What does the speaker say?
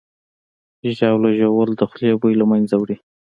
ژاوله ژوول د خولې بوی له منځه وړي.